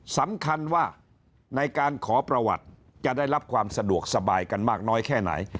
สำคัญว่าในการขอประวัติจะได้รับความสะดวกสบายกันมากน้อยแค่ไหน